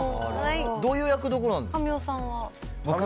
どういう役どころなんですか。